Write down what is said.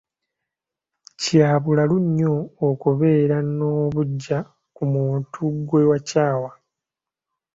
Kya bulalu nnyo okubeera n'obuggya ku muntu gwe wakyawa.